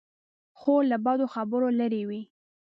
خور له بدو خبرو لیرې وي.